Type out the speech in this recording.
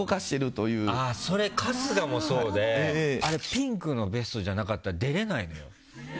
それ、春日もそうであれピンクのベストじゃなかったら出られないのよ。